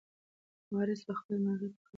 وارث به خپله مرغۍ پخه کړي.